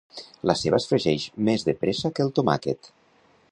La ceba es fregeix més de pressa que el tomàquet.